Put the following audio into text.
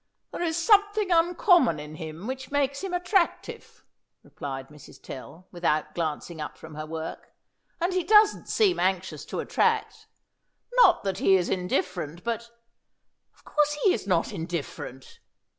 "There is something uncommon in him which makes him attractive," replied Mrs. Tell, without glancing up from her work. "And he doesn't seem anxious to attract. Not that he is indifferent, but " "Of course he is not indifferent."